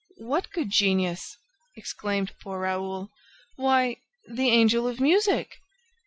"What good genius?" exclaimed poor Raoul. "Why, the Angel of Music!"